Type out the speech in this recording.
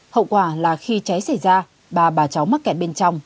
hậu quả là khi cháy xảy ra bà cháu mắc kẹt bên trong